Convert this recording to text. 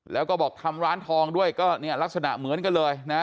แล้วก็บอกทำร้านทองด้วยก็เนี่ยลักษณะเหมือนกันเลยนะ